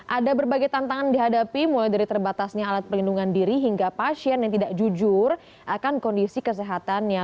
ada berbagai tantangan dihadapi mulai dari terbatasnya alat pelindungan diri hingga pasien yang tidak jujur akan kondisi kesehatannya